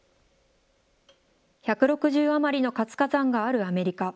１６０余りの活火山があるアメリカ。